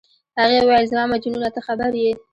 هغې وویل: زما مجنونه، ته خبر یې؟